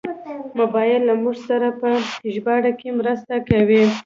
موبایل له موږ سره په ژباړه کې مرسته کوي.